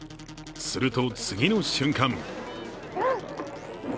すると、次の瞬間